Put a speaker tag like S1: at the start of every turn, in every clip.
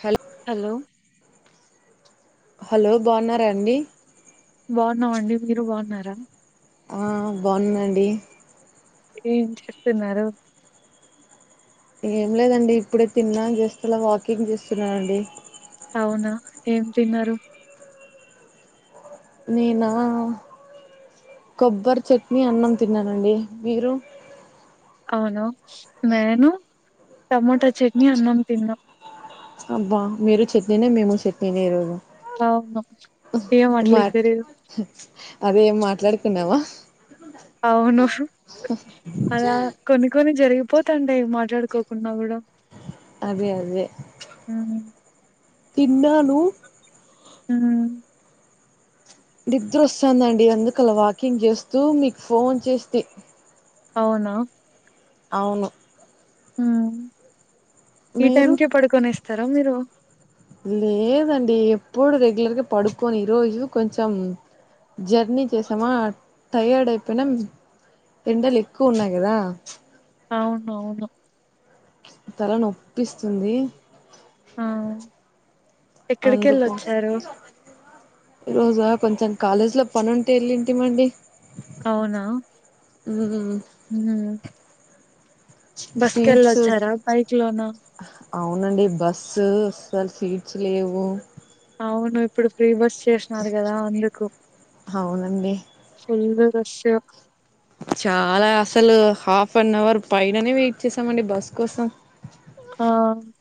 S1: హల్
S2: hello
S1: hello బాగున్నారండీ
S2: బాగున్నామండి మీరు బాగున్నారా
S1: ఆ బాన్నాండీ
S2: ఏం చేస్తున్నారు
S1: ఏం లేదండి ఇప్పుడే తిన్నా జస్ట్ అలా వాకింగ్ చేస్తున్నానుండి
S2: అవునా ఏం తిన్నారు
S1: నేనా కొబ్బరి చట్నీ అన్నం తిన్నానండి మీరు
S2: అవును నేను టమోటా చట్నీ అన్నం తిన్నా
S1: అబ్బా మీరు చట్నీనే మేము చట్నీనే ఈ రోజు
S2: అవును ఏం అట్ల
S1: మాట్
S2: ఇద్దరు
S1: అదే ఏం మాట్లాడుకున్నావా
S2: అవును అలా కొన్ని కొన్ని జరిగి పోతాంటాయి మాట్లాడుకోకుంన్నా కూడా
S1: అదే అదే
S2: హ్మ్
S1: తిన్నాను
S2: ఉమ్
S1: నిద్ర వస్తదండి అందుకు అలా వాకింగ్ చేస్తూ మీకు ఫోన్ చేస్తే
S2: అవునా
S1: అవును
S2: హ ఈ టైమ్
S1: మీరు
S2: కె పడుకునేస్తారా మీరు
S1: ప్పుడు రెగ్యులర్గా పడుకొని ఈరోజు కొంచెం జ అన్నీ చేసామా టయర్డ్ అయిపినం ఎండలు ఎక్కువ ఉన్నాయి కదా
S2: అవును అవును
S1: తల నొప్పిస్తుంది
S2: ఆ ఎక్కడికి వెళ్ళిొచ్చారు
S1: ఈరోజా కొంచెం కాలేజ్ లో పని ఉంటే ఎళ్ళింటిమండి
S2: అవునా ఉమ్ బస్
S1: సీట్స్
S2: కెళ్ళొచ్చారా బైక్ లోన
S1: అవునండి బస్సు ఆసల్ సీట్స్ లేవు
S2: అవును ఇప్పుడు ఫ్రీ బస్ చేసినారు కదా అందుకు
S1: అవునండి
S2: ఫుల్ రష్
S1: చాలా అసలు హాఫ్ అన్ అవర్ పైైననే వెయిట్ చేసామండి బస్ కోసం
S2: ఆ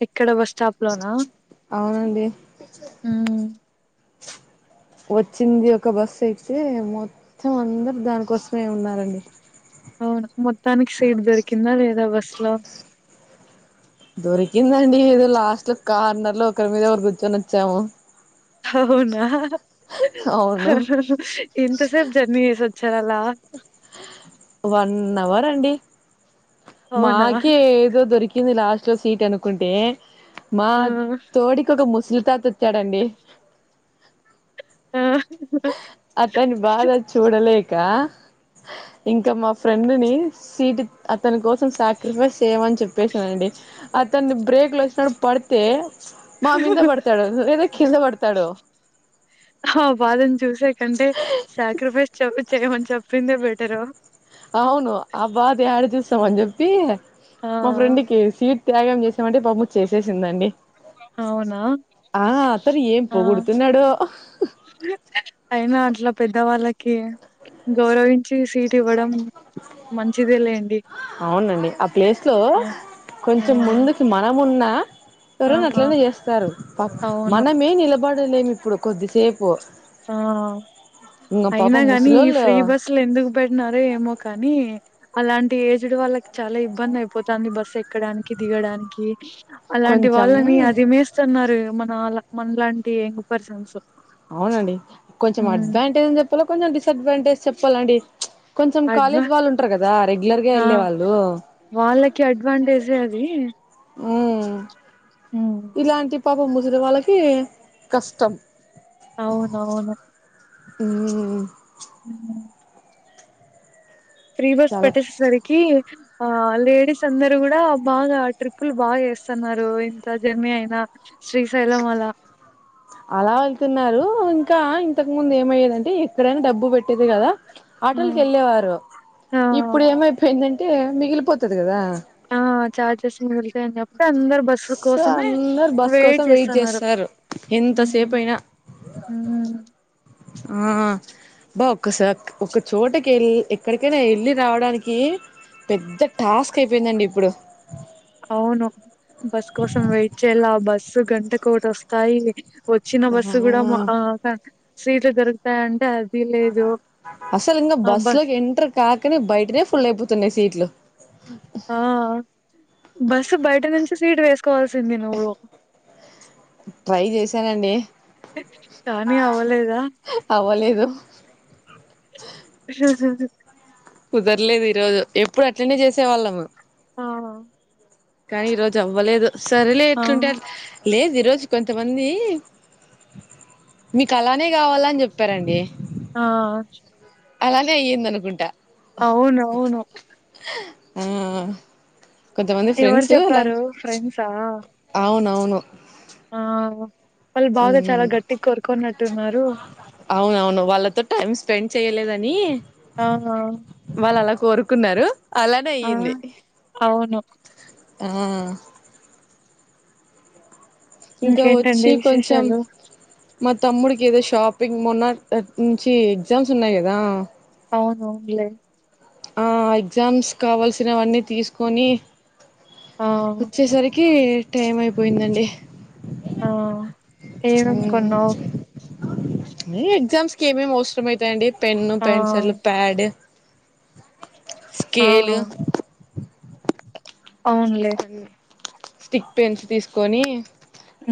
S2: ఇక్కడ బస్ స్టాప్ లోనా
S1: అవునండి
S2: మ్
S1: వచ్చింది ఒక బస్సు అక్తే మొత్తం అందరు దానికోసమే ఉన్నారండి
S2: అవును మొత్తానికి సీట్ దొరికిందా లేదా బస్ లో
S1: దొరికిందండి ఏదో లాస్ట్ కార్నర్ లో ఒకరి మీద ఒకరు కూర్చొని వచ్చాము
S2: అవునా
S1: అవును
S2: ఇంత స జర్నీ సద్ చరాల
S1: వన్అవర్ అండి
S2: అవునా
S1: మాకి ఏదో దొరికింది లాస్ సీట్ అనుకుంటే మా
S2: ఆ
S1: తోడికి ఒక ముసలితాతో చూడండి
S2: ఆ
S1: అతను బాధ చూడలేక ఇంకా మా ఫ్రెండ్ని సీట్ అతని కోసం సాక్రిఫైస్ చేయమని చెప్పేసాండి అతను బ్రేక్ లో వచ్చ పడితే మా మీంద పడతాడు లేదా కింద పడతాడు
S2: వాదని చూసా కంటే సాక్రిఫైస్ చె చేయమని చెప్పిందే బెటరు
S1: అవును ఆ బాధ ఏడి చూస్తాం అని చెప్పి
S2: ఆ
S1: మా ఫ్రెండ్కి సీట్ త్యాగం చేసామంటే పమ్ము చేసేసిందండి
S2: అవునా
S1: ఆ అతను ఏం
S2: ఆ
S1: పోొగుడుతున్నాడు
S2: అయినా అంట్లో పెద్ద వాళ్ళకి గౌరవించి సీట్ ఇవ్వడం మంచిదే లేండి
S1: అవునండి ఆ ప్లేస్లో
S2: ఆ ఆ
S1: కొంచెం ముందుకి మనము ఉన్న ఎవరనా
S2: ఆ
S1: అట్లనే చేస్తారు
S2: అవును
S1: మనమే నిలబడలేము ఇప్పుడు కొద్దిసేపు
S2: ఆ
S1: ఇంగ
S2: అయినా
S1: పాపం
S2: కాని ఈ
S1: ముసలోళ్ళు
S2: ఫ్రీ బస్సులు ఎందుకు పెట్టినార ఏమో కానీ అలాంటి ఏజ్డ్ వాళ్ళకి చాలా ఇబ్బంది అయిపోతుంది బస్సు ఎక్కడానికి దిగడానికి అలాంటి
S1: కొంచెం
S2: వాళ్ళని అది మేస్తున్నారు మన ల మన లాంటి యంగ్ పర్సన్స్
S1: అవునండి కొంచెం
S2: హ్మ్.
S1: అడ్వాంటేజ్ని చెప్పాలో కొంచెం డిసడ్వాంటేజ్ చెప్ప చెప్పాలండి కొంచెం
S2: అడ్వా
S1: కాలేజ్ వాళ్ళు ఉంటారు కదా రెగ్యులర్గా
S2: ఆ
S1: వెళ్ళే వాళ్ళు
S2: వాళ్ళకి అడ్వాంటేజే అది
S1: ఉ
S2: హ్మ్.
S1: ఇలాంటి పాపం ముసరి వాళ్ళకి కష్టం
S2: అవునవును
S1: ఉ
S2: హ ఫ్రీ బస్
S1: చాలా
S2: పట్టేసేసరికి ఆ లేడీస్ అందరూ గూడా బాగా ట్రిప్పులు బాగా ఏస్తున్నారు ఇంత జర్నీ అయినా శ్రీశైలమలా
S1: అలా వెళ్తున్నారు ఇంకా ఇంతకు ముందు ఏమయ్యేదంటే ఎక్కడైనా డబ్బు పెట్ ేది కదా ఆటలకి
S2: హ్మ్.
S1: వెళ్ళేవారు
S2: ఆ
S1: ఇప్పుడు ఏమైపోయిందంటే అంటే మిగిలిపోతుది కదా
S2: చఛార్జెస్ మిగులుతాయని చెప్పి అందరు బస్సు
S1: సో
S2: కోసమే వెయిట్ చేస్తున్నారు
S1: ఎంతసేపయినా
S2: ఊం
S1: ఆ బా ఒక్కసాక్ ఒక్క చోటకి ఎళ్ ఎక్కడికైనా వెళ్ళి రావడానికీ పెద్ద టాస్క్ అయిపోయిందండి ఇప్పుడు
S2: అవును బస్ కోసం వెయిట్ చేయలా బస్సు గంటకు ఒకటి వస్తాయి వచ్చిన బస్సు కూడా మ ఆ సీట్లు దొరుకుతాయంటే అది లేదు
S1: అసలు ఇంగ బస్ లోకి ఎంటర్ కాకనే బయటనే ఫుల్ అయిపోతున్నాయి సీట్లు
S2: ఆ బస్సు బయట నుంచి సీటు వేసుకోవాల్సింది నువ్వు
S1: ట్రై చేసానండి
S2: కానీ అవ్వలేదా
S1: అవ్వలేదు
S2: హుహుహు
S1: కుదర్లేదు ఈరోజు ఎప్పుడు అట్లనేే చేసే వాళ్ళము
S2: ఆహా
S1: కానీ ఈరోజు అవ్వలేదు సరెలే
S2: ఆ
S1: ఎట్లుంటే అట్ లేదు ఈరోజు కొంతమందీ మీకలానే కావాలని చెప్తరండి
S2: ఆ
S1: అలానే అయ్యిందనుకుంటా
S2: అవునవును
S1: ఆ కొంతమంది
S2: ఎవరు
S1: ఫ్రెండ్స్ అలా
S2: చెప్పారు ఫ్రెండ్సా
S1: అవునవ్ మొ
S2: ఆ వాళ్ళు బాగా చాలా గట్టిగ్ కోరుకునట్టున్నారు
S1: అవునవును వాళ్ళతో టైం స్పెండ్ చేయలేదని
S2: ఆహా
S1: వాళ్ళు అలా కోరుకున్నారు అలానే అయ్యింది
S2: అవును
S1: ఆ ఇంకా వచ్చి
S2: ఇంకేంటండి
S1: కొంచెం
S2: విశేషాలు
S1: మా తమ్ముడికి ఏదో షాపింగ్ మొన్న నుంచి ఎగ్జామ్స్ ఉన్నాయి కదా
S2: అవునవును లే
S1: ఆ ఎగ్జామ్స్ కావాల్సినవన్నీ తీస్కోని
S2: ఆ
S1: వచ్చేసరికి టైం అయిపోయిందండి
S2: ఆ ఏమేం కొన్నావ్
S1: ఎగ్జామ్స్ కి ఏమేమి అవసరం అయితాయండి పెన్ను
S2: ఆ
S1: పెన్సిల్ ప్యాడ్
S2: ఆ
S1: స్కేలు
S2: అవునులే
S1: అన్ స్టిక్ పెన్స్ తీసుకోని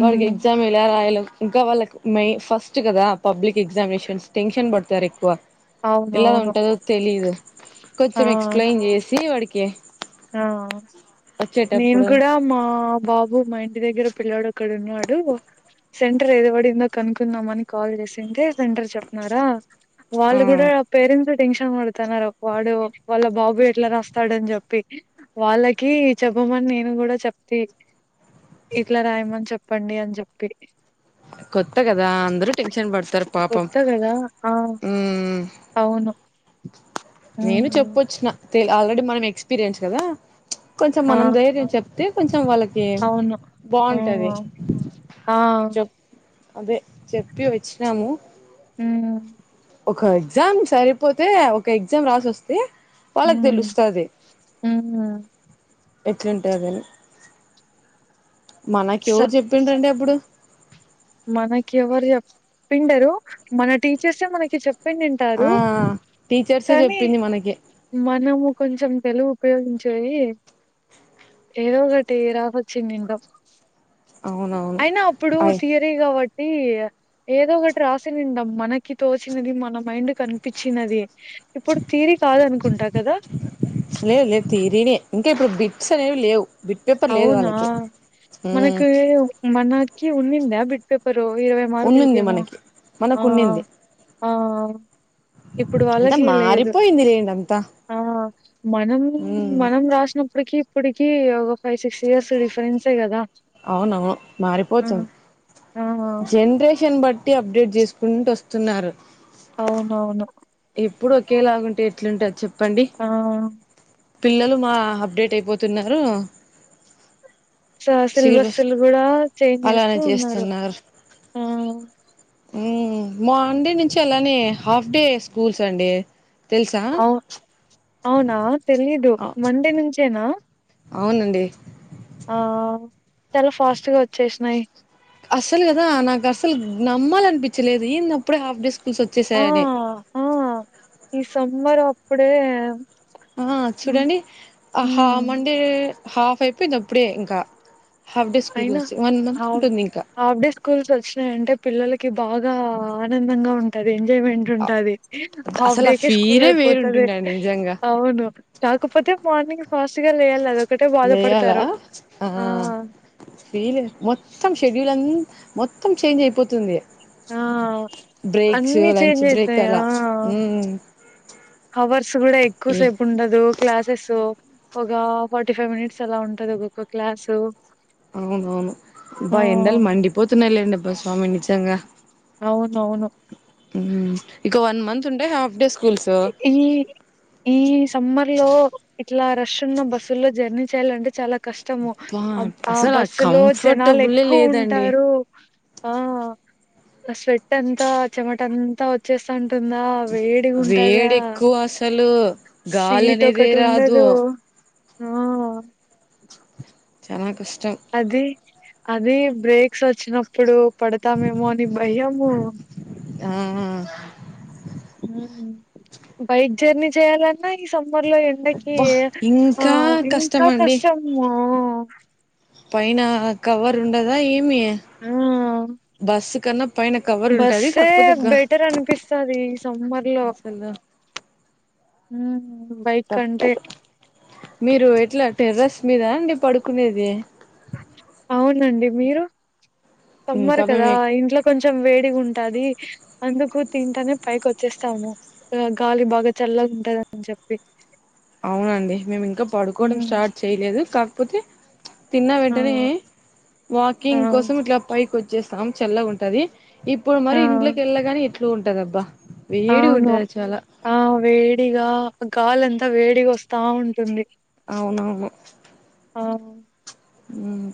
S2: ఉమ్
S1: ఎగ్జామ్ ఎలా రాయలో ఇంకా వాళ్ళకు మే ఫస్ట్ గదా పబ్లిక్ ఎగ్జామినేషన్స్ టెన్షన్ పడతారు ఎక్కువ ఎలా
S2: అవునవును
S1: ఉంటదో తెలీదు కొంచెం
S2: ఆ
S1: ఎక్స్ప్లెయిన్ చేసి వాడికి
S2: ఆ నేను
S1: వచ్చేటప్పుడు
S2: కూడా మా బాబు మా ఇన్ టి దగ్గర పిల్లాడు ఒకడున్నాడు సెంటర్ ఏది బడిందో కనుక్కుందాం అని కాల్ చేసింటే తరు చెప్నారా
S1: ఆ
S2: వాళ్ళు గుడా పేరెంట్సే టెన్షన్ పడుతాన్నారు వాడు వాళ్ళ బాబు ఎట్లా రాస్తాడని చెప్పి వాళ్ళకి చెప్పమని నేను కూడా చెప్తీ ఇట్లా రాయమని చెప్పండి అని చెప్పి
S1: కొత్త గదా అందరూ టెన్షన్ పడ్ తరు పాపం
S2: కొత్త కదా ఆ
S1: ఊ
S2: అవును
S1: నేను
S2: ఉమ్
S1: చెప్పొచ్చిన తేల్ ఆల్రెడీ మనం ఎక్స్పీరియన్స్ కదా కొంచం
S2: ఆ
S1: మనం ధైర్యం చెప్తే కొంచెం వాళ్ళకి
S2: అవును ఆ
S1: బాగుంటది
S2: ఆ
S1: చెప్ అదే చెప్పి వచ్చినాము
S2: ఉమ్
S1: ఒక ఎగ్జామ్ సరిపోతే ఒక ఎగ్జామ్ రాసొస్తే వాలక్
S2: ఉమ్
S1: దెలుస్తాది
S2: ఉమ్
S1: ఎట్లుంటాదని మనకు
S2: స
S1: ఎవరు చెప్పిండ్రండి అప్పుడు
S2: మనకి ఎవరు చెప్పిండరు మన టీచర్సే మనకి చెప్ పిండింటారు
S1: ఆ టీచర్సే
S2: కానీ
S1: చెప్పింది మనకి
S2: మనము కొంచెం తెలివి ఉపయోగించేది ఏదో ఒకటి రాసొచ్చినిండో
S1: అవునవును
S2: అయినా అప్పుడు
S1: అయ్
S2: థిరీ గావట్ తి ఆ ఏదో ఒకటి రాసిందం మనకి తోచినది మన మైండ్ కనిపిచినది
S1: లేద్ లేద్ థీరినే ఇంకేపుడు బి అసలేం లేవు బిట్ పేపర్ లేదు
S2: అవునా
S1: వాళ్ళకి ఉమ్
S2: మనకు మనకి ఉన్నిందా బిట్ పేపర్ తో ఇరవై మార్ కుల్
S1: ఉన్నింది
S2: కేమో
S1: మనకి
S2: ఆ
S1: మనకు ఉన్నింది
S2: ఆ ఆ ఆ ఇప్పుడు వాళ్ళ
S1: అంతా
S2: జీ లేదు
S1: మారిపోయింది లేండి అంతా
S2: ఆ మనం
S1: ఉమ్
S2: మనం రాసినప్ డ్ టికి ఇపుడికి ఓ ఓ ఫై సిస్ ఇయర్స్ రిఫరెన్స్ ఏ గదా
S1: అవును
S2: ఆ!
S1: మారిపోతుంది
S2: ఆ!
S1: జన్ రేషన్ బట్ ట్టీ అబ్ డెట్ చేసుకుంటూ ఒస్తున్నారు
S2: అవునవును.
S1: పుడు ఒకేలాగుంటే ఎట్లుంటది చెప్
S2: ఆ
S1: పిల్లలు మా అబ్ డెట్ అయిపోతున్నారు
S2: స సిల్
S1: సిలబస్
S2: బస్సులు గూడా చేంజ్ జేస్తూ
S1: అలానే
S2: ఉన్నారు
S1: చేస్తున్నారు
S2: ఆ
S1: ఊమ్ మాండె నుంచి అలానే హాఫ్ డే స్కూల్స్ అండి తెల్ సా
S2: అవు
S1: ప్చ్
S2: అవునా తెలిదు మండే నుంచేనా
S1: అవునండి
S2: ఆ చలా ఫాస్ట్ గా వచ్చేసినాయి
S1: అసలు కదా నాకు అసలు నమ్మాలనిపిచలేదు ఏందబ్ అప్ డె హఫ్ డే స్కూల్స్
S2: ఆ!
S1: ఒచ్చేసాయాన్ని
S2: ఇప్పుడే యమ్
S1: ఆ చూడండి ఆహా
S2: హ్మ్.
S1: మండే హాఫ్ అయిపెంది అప్పుడే ఇంకా హాఫ్ డే స్కూల్ కొస్ సే [unintelligible] వన్ మంత్ ఉంటుంది ఇంకా
S2: కూల్స్ ఒచ్ నయంటే పిల్లలకి బాగా ఆ ఆనందంగా ఉంటది ఇన్ జేమెంట్ ఉంటది హాఫ్
S1: అసలు ఆ
S2: డేకే స్కూల్
S1: ఫీలే
S2: అయిపోతది
S1: వేరుంటుండే అండి నిజంగా
S2: అవును కాకపోతే తె మార్ నింగ్ ఫాస్ట్ గా లేయాలే అదొకటే బాధపడతారు ఆ
S1: ఎయిలే మొత్తం షెడ్యూల్ అం మొత్తం చేంజ్ అయిపోతుంది
S2: ఆ
S1: బ్రేక్స్
S2: అన్నీ
S1: లంచ్
S2: చేంజ్
S1: బ్రేక్
S2: అయితయి ఆ
S1: అలా
S2: ఆ
S1: ఉమ్
S2: హవర్స్ గూడా ఎక్కు
S1: ఏ
S2: సేపు ఉండదు క్లాసెసు ఒక ఫార్టీ ఫైవ్ మినిట్స్ అలా ఉంటది ఒకోక క్లాసు
S1: అవునవును
S2: ఆ
S1: బా ఎండలు మండిపోతున్నాలేండబ్బ స్వామి నిజంగా
S2: అవునవును
S1: ఊమ్ ఇక వన్ మంత్ ఉంటే హాఫ్ డే స్కూల్స్ అబ్బా
S2: హి ఈ ఈ సమ్మర్ లో ఇట్లా రష్ ఉన్న బస్సుల్లో జర్నీ చేయాలంటే చాలా కష్టము అబ్ ఆ
S1: అసలు
S2: బస్సు లో జనాలు
S1: కంఫర్టబులే
S2: ఎక్కు
S1: లేదండి
S2: వుంటారు ఆ స్వెట్ అంతా చెమట అంతా వచ్చేస్త ఉంటుందా. వేడి ఉంటదా
S1: వేడి ఎక్కువ అసలు గాలి
S2: సీట్
S1: అనేదే రాదు
S2: ఒకటుండదు ఆ ఆ [unintelligible]
S1: చానా కస్
S2: అది అది బ్రేక్స్ ఒచ్ నప్పుడు పడతామేమో అని భయము
S1: ఆ ఆ
S2: హుమ్ బైక్ జేర్నీ చేయాలన్నా ఈ సం మర్ [unintelligible] ల ఎండకి
S1: అబ్బా
S2: ఆ
S1: ఇంకా కష్టం
S2: ఇంకా
S1: అండి
S2: కష్టం మా
S1: పైన కవర్ ఉండదా ఏమి
S2: ఆ
S1: బస్సు కన్నా పైన కవర్ ఉంటది
S2: బస్సే
S1: కాకపోతే గా
S2: బెటర్ అనిపిస్తది ఈ సమ్మర్ లో
S1: అసలు
S2: హుమ్ బైక్ కంటే
S1: తప్పదు మీరు ఎట్లా టెర్రస్ మీదాండి పడుకునేది.
S2: అవునండి. మీరు సమ్మారు
S1: ఇంకా
S2: కదా
S1: మేము
S2: ఇంట్లో కొంచెం వేడిగా ఉంటాది. అందుకు తింటానే పైకి వచ్చేస్తాము. గాలి బాగా చల్లగా ఉంటదని చెప్పి.
S1: అవునండి మేము ఇంకా పడుకోవడం
S2: మ్మ్
S1: స్టార్ట్ చేయలేదు. కాకపోతే తిన్న
S2: ఆ
S1: వెంటనే
S2: ఆ
S1: వాకింగ్ కోసం ఇట్లా పైకి వచ్చేస్తాం. చల్లగా ఉంటది ఇప్పుడు
S2: ఆ
S1: మరి ఇంట్లోకి ఏళ్ళగానే ఎట్లు ఉంటదబ్బా. వేడి
S2: అవును
S1: ఉంటది చాలా
S2: ఆ వేడిగా గాలంత్ అంత వేడిగా వస్తా ఉంటుంది.
S1: అవునవును
S2: ఆమ్
S1: ఉమ్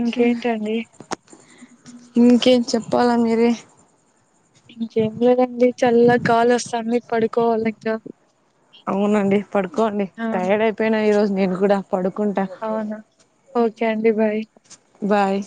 S2: ఇంకేంటండి
S1: ఇంకేం చెప్పాలా మీరే
S2: ఇంకేం లేదండి చల్ల గాలోస్తాంది. పడుకోవాలి ఇంకా.
S1: అవునండి పడుకోండి
S2: ఆ
S1: తయర్డ్ అయిపోయిన నేను గూడా పడుకుంటా.
S2: కే అండి బాయ్
S1: బాయ్